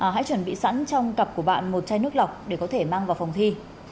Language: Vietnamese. hãy chuẩn bị sẵn trong cặp của bạn một chai nước lọc để có thể mang vào phòng thi